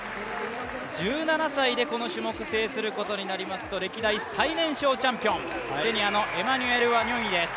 １７歳でこの種目を制することになりますと、歴代最年少チャンピオン、ケニアのエマニュエル・ワニョンイです。